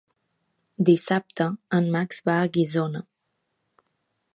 Dissabte en Max va a Guissona.